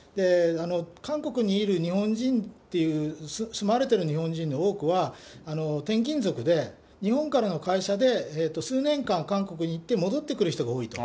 韓国にいる日本人っていう、住まわれている日本人の多くは転勤族で、日本からの会社で数年間韓国に行って戻ってくる人が多いと。